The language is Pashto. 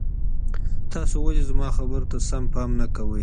تاسو ولي زما خبرو ته سم پام نه کوئ؟